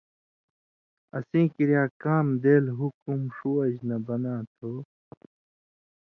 اسیں کریا کام دېل حکم ݜُو وجہۡ نہ بناں تھو